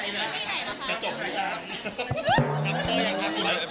ปีหนึ่งกลับในตอนนี้